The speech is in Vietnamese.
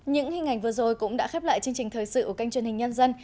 những hình ảnh vừa rồi cũng đã khép lại chương trình thời sự của kênh truyền hình nhân dân